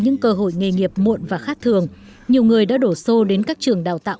những cơ hội nghề nghiệp muộn và khác thường nhiều người đã đổ xô đến các trường đào tạo